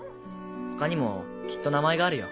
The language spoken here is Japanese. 他にもきっと名前があるよ。